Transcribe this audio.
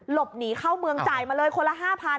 หลบหนีเข้าเมืองจ่ายมาเลยคนละ๕๐๐